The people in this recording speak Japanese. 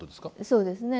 そうですね。